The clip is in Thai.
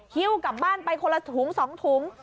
ฮิ้วกลับบ้านไปคนละถุง๒ถุง